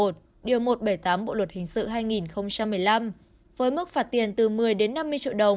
điều một trăm bảy mươi tám bộ luật hình sự hai nghìn một mươi năm với mức phạt tiền từ một mươi đến năm mươi triệu đồng